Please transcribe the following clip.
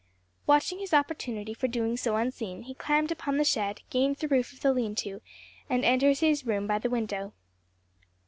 Watching his opportunity for doing so unseen, he climbed upon the shed, gained the roof of the leanto, and entered his room by the window.